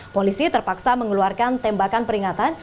polisi terpaksa mengeluarkan tembakan peringatan